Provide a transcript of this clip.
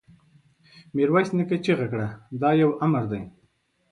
ميرويس نيکه چيغه کړه! دا يو امر دی!